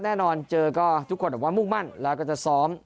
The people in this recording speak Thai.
แน่นอนเจอก็ทุกคนบอกว่ามุ่งมั่นแล้วก็จะซ้อม